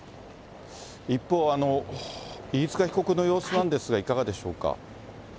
一方、飯塚被告の様子なんですが、いかがでしょうか。